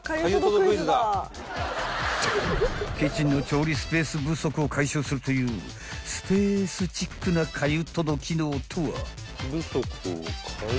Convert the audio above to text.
［キッチンの調理スペース不足を解消するというスペースチックなかゆ届機能とは？］